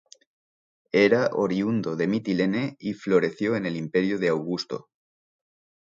Era oriundo de Mitilene y floreció en el imperio de Augusto.